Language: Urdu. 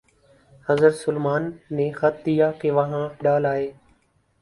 حضرت سلیمان نے خط دیا کہ وہاں ڈال آئے۔